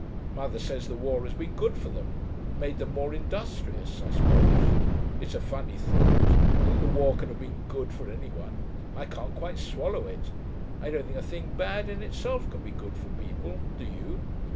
Mother says the war has been good for them; made them more industrious, I suppose. It's a funny thought, that the war can have been good for any one; I can't quite swallow it. I don't think a thing bad in itself can be good for people, do you?